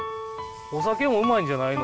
お酒もうまいんじゃないの。